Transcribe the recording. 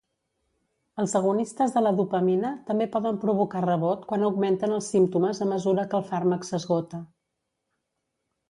Els agonistes de la dopamina també poden provocar rebot quan augmenten els símptomes a mesura que el fàrmac s'esgota.